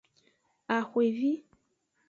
Axwevi.